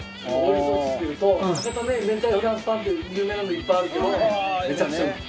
博多で明太フランスパンって有名なのいっぱいあるけどめちゃくちゃうまい。